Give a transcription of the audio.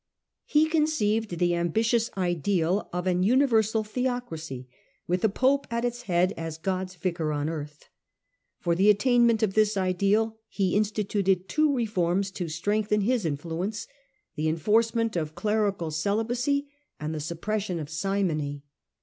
He conceived the ambitious ideal of an universal theocracy, with the Pope at its head as God's Vicar on earth. For the attainment of this ideal he instituted two reforms to strengthen his influence, the enforcement of clerical celibacy and the suppression of simony.